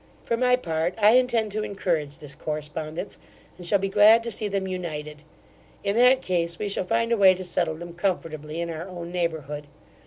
For my part, I intend to encourage this correspondence, and shall be glad to see them united In that case, we shall find a way to settle them comfortably in our own neighbourhood.